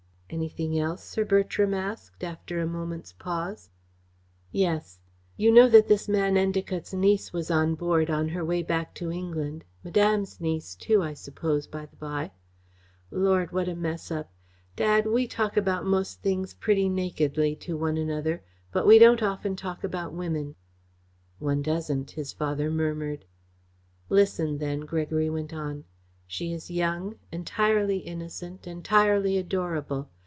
"Anything else?" Sir Bertram asked, after a moment's pause. "Yes. You know that this man Endacott's niece was on board on her way back to England Madame's niece, too, I suppose, by the by. Lord, what a mess up! Dad, we talk about most things pretty nakedly to one another, but we don't often talk about women." "One doesn't," his father murmured. "Listen then," Gregory went on. "She is young, entirely innocent, entirely adorable.